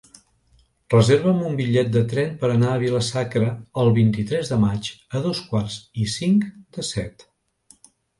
Reserva'm un bitllet de tren per anar a Vila-sacra el vint-i-tres de maig a dos quarts i cinc de set.